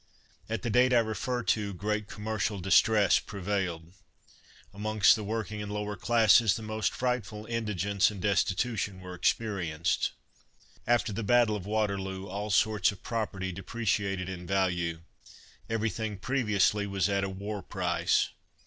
At the date I refer to, great commercial distress prevailed. Amongst the working and lower classes the most frightful indigence and destitution were experienced. After the battle of Waterloo all sorts of property depreciated in value. Everything previously was at a "war price."